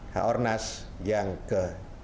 h o r n a s yang ke tiga puluh delapan